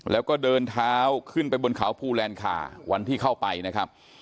แล้วก็เดินเท้าขึ้นไปบนเขาภูแลนคาวันที่เข้าไปนะครับ